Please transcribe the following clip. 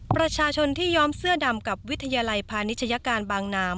ประชาชนที่ย้อมเสื้อดำกับวิทยาลัยพาณิชยการบางนาม